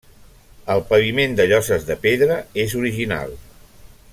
El paviment de lloses de pedra és original.